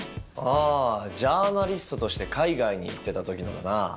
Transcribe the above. あジャーナリストとして海外に行ってた時のだな。